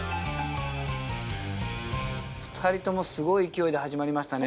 ２人ともすごい勢いで始まりましたね。